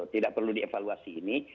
tidak perlu dievaluasi ini